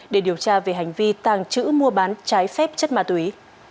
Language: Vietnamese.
để điều tra về hành vi tàng trữ mua bán trái phép chất ma túy